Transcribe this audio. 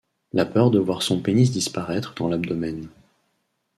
La peur de voir son pénis disparaître dans l'abdomen.